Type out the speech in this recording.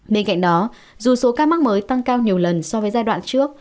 bên cạnh đó dù số ca mắc mới tăng cao nhiều lần so với giai đoạn trước